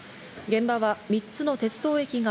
現場は３つの鉄道駅が